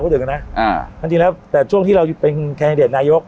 พูดถึงอ่ะอ่าจริงจริงแล้วแต่ช่วงที่เราเป็นแครงเดชนายก